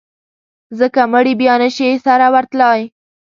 ځکه مړي بیا نه شي سره ورتلای.